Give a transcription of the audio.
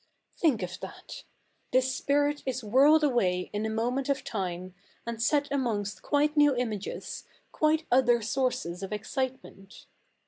Think of that I The spirit is whirled away in a moment of time, and set amongst quite new images, quite other sources of excitement.